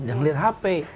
jangan lihat hp